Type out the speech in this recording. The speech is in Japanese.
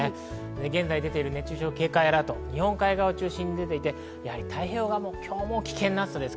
現在、出てる熱中症警戒アラート、日本海側を中心に出ていて、太平洋側も危険な暑さです。